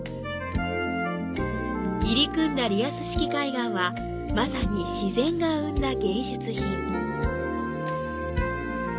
入り組んだリアス式海岸は、まさに自然が生んだ芸術品。